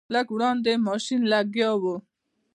لږ وړاندې ماشین لګیا و.